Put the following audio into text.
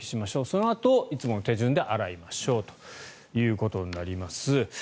そのあといつもの手順で洗いましょうということになります。